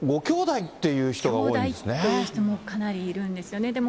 きょうだいという人も、かなりいるんですよね。